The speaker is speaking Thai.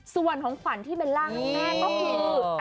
ส่วนของขวัญที่เบลล่าให้แม่ก็คือ